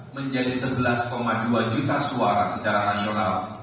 menjadi sebelas dua juta suara secara nasional